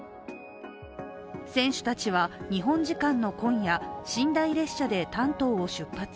選手たちは日本時間の今夜、寝台列車で丹東を出発。